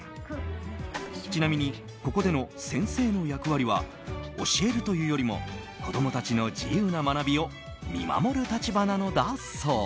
ちなみに、ここでの先生の役割は教えるというよりも子供たちの自由な学びを見守る立場なのだそう。